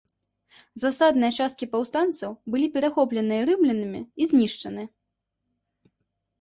Засадныя часткі паўстанцаў былі перахопленыя рымлянамі і знішчаны.